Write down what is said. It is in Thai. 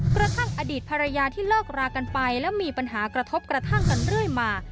กระทั่งอดีตภรรยาที่เลิกรากันไปแล้วมีปัญหากระทบกระทั่งกันเรื่อยมา